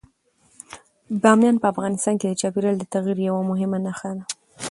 بامیان په افغانستان کې د چاپېریال د تغیر یوه مهمه نښه ده.